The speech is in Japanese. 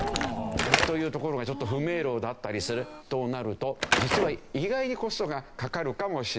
というところがちょっと不明瞭だったりするとなると実は意外にコストがかかるかもしれない。